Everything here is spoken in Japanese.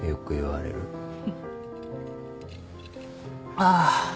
ああ。